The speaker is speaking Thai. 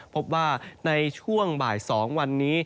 พบว่าในช่วงบ่าย๒วันนี้